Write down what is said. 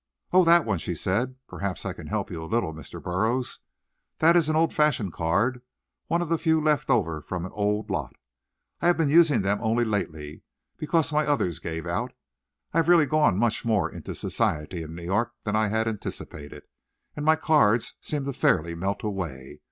"Oh, that one!" she said; "perhaps I can help you a little, Mr. Burroughs. That is an old fashioned card, one of a few left over from an old lot. I have been using them only lately, because my others gave out. I have really gone much more into society in New York than I had anticipated, and my cards seemed fairly to melt away.